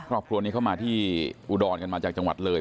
ครอบครัวนี้เข้ามาที่อุดรกันมาจากจังหวัดเลย